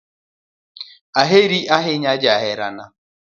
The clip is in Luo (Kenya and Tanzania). Aheri ahinya jaherana